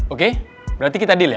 oke berarti kita deal ya